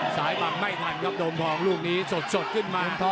บังไม่ทันครับโดมทองลูกนี้สดขึ้นมา